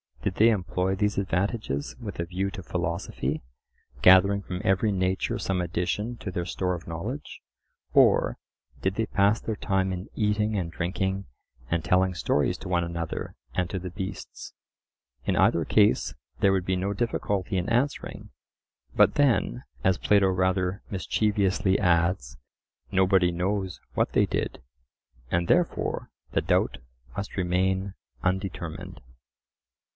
Did they employ these advantages with a view to philosophy, gathering from every nature some addition to their store of knowledge? or, Did they pass their time in eating and drinking and telling stories to one another and to the beasts?—in either case there would be no difficulty in answering. But then, as Plato rather mischievously adds, "Nobody knows what they did," and therefore the doubt must remain undetermined.